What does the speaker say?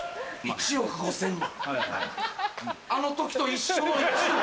１億５０００万。